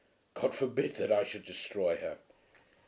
"God forbid that I should destroy her."